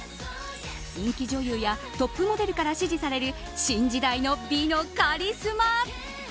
人気女優やトップモデルから支持される新時代の美のカリスマ。